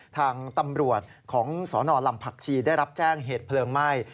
ทางตำรวจของสนลำผักชีได้รับแจ้งเหตุเพลิงไหม้